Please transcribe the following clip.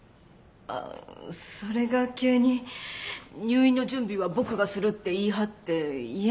あっそれが急に入院の準備は僕がするって言い張って家に戻っちゃって。